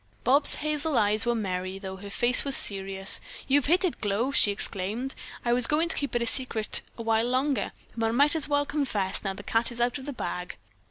Bobs' hazel eyes were merry, though her face was serious. "You've hit it, Glow!" she exclaimed. "I was going to keep it a secret a while longer, but I might as well confess, now that the cat is out of the bag."